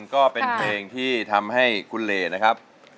ก็เป็นเพลงที่ทำให้คุณเลนะครับ